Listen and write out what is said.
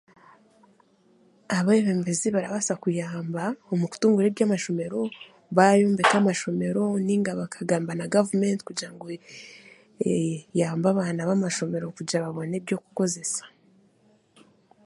Abeebembezi barabaasa kuyamba omu kutunguura eby'amashomero baayombeka nainga bakagamba na gavumenti kugira ngu eyambe abaana b'amashomero kugira bafune eby'okukoresa